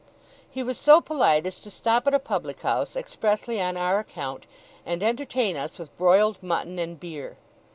He was so polite as to stop at a public house, expressly on our account, and entertain us with broiled mutton and beer.